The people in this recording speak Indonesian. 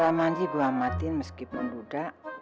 ramadi gue amatin meskipun budak